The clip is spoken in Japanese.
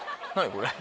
これ。